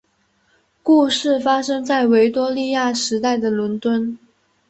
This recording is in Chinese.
故事发生在维多利亚时代的伦敦。